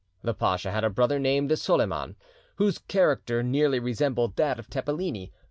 The pacha had a brother named Soliman, whose character nearly resembled that of Tepeleni.